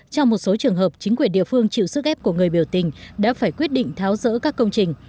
trong một số trường hợp chính quyền địa phương chịu sức ép của người biểu tình đã phải quyết định tháo rỡ các công trình